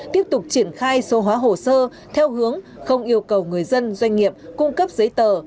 tiếp tục triển khai số hóa hồ sơ theo hướng không yêu cầu người dân doanh nghiệp cung cấp giấy tờ